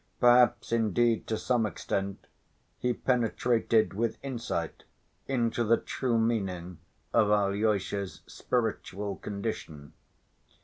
Perhaps indeed, to some extent, he penetrated with insight into the true meaning of Alyosha's spiritual condition.